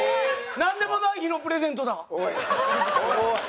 なんでもない日のプレゼント。